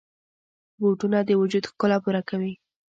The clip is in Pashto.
بوټونه د وجود ښکلا پوره کوي.